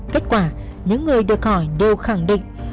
kết quả những người được hỏi đều khẳng định